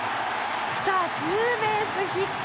ツーベースヒット！